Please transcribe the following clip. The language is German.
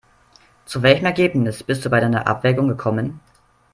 Zu welchem Ergebnis bist du bei deiner Abwägung gekommen?